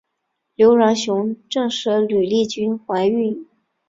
刘銮雄证实吕丽君怀孕。